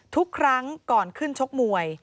ทุกครั้งก่อนขึ้นชกมวย